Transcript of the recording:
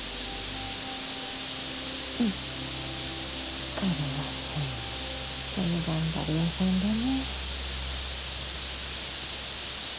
ひかるはホントに頑張り屋さんだね。